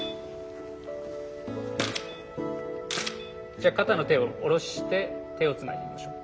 じゃあ肩の手を下ろして手をつないでみましょう。